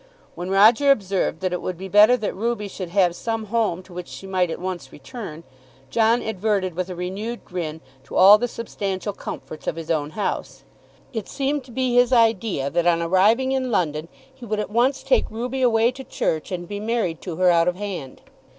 When Roger observed that it would be better that Ruby should have some home to which she might at once return, John adverted with a renewed grin to all the substantial comforts of his own house. It seemed to be his idea, that on arriving in London he would at once take Ruby away to church and be married to her out of hand.